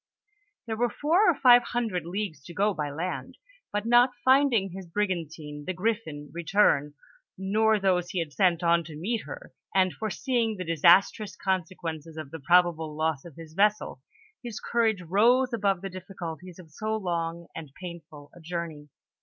There were four or five hundred leagues to go by land, but not finding his brigantine, the Griffin, return, nor those he had 6,:nt on to 'meet her, and foreseeing the disastrous consequences of the probable loss of his vessel, his courage rose above the difficul ties of so long and painful a journey.